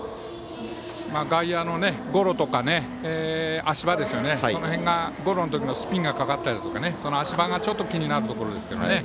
外野のゴロとか足場その辺がゴロの時にスピンがかかったり足場が気になるところですけどね。